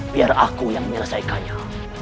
biar aku yang merasa ikannya